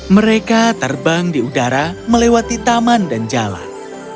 mereka terbang di udara melewati taman dan jalan